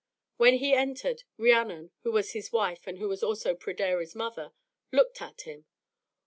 When he entered, Rhiannon, who was his wife and who was also Pryderi's mother, looked at him.